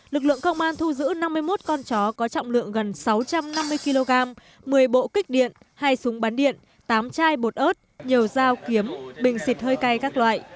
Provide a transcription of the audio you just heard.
lực lượng công an thu giữ năm mươi một con chó có trọng lượng gần sáu trăm năm mươi kg một mươi bộ kích điện hai súng bắn điện tám chai bột ớt nhiều dao kiếm bình xịt hơi cay các loại